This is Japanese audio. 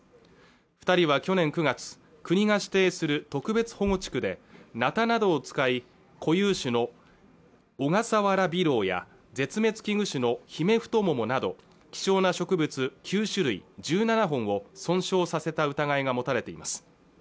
二人は去年９月国が指定する特別保護地区でナタなどを使い固有種のオガサワラビロウや絶滅危惧種のヒメフトモモなど貴重な植物９種類１７本を損傷させた疑いが持たれています